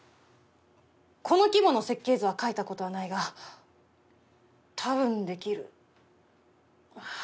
この規模の設計図は描いたことはないがたぶんできるはずだ。